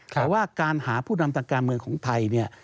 แต่ว่าการหาผู้นำทางการเมืองของไทยเนี่ย